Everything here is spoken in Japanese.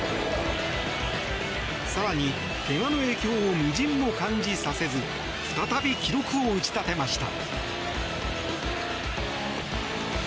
更に、けがの影響を微塵も感じさせず再び記録を打ち立てました。